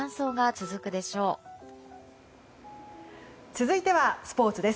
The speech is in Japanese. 続いてはスポーツです。